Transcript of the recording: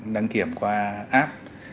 đăng kiểm qua app